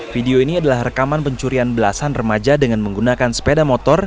video ini adalah rekaman pencurian belasan remaja dengan menggunakan sepeda motor